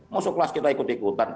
musuh kelas kita ikut ikutan